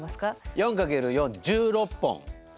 ４×４１６本。